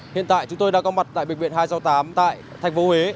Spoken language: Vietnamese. hiện tại chúng tôi đã có mặt tại bệnh viện hai trăm sáu mươi tám tại thành phố huế